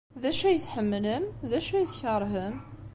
D acu ay tḥemmlem? D acu ay tkeṛhem?